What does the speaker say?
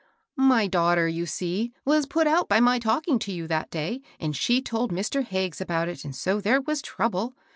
" My daughter, you see, was put out by my talking to you that day, and she told Mr. Hag ges about it, and so there was trouble.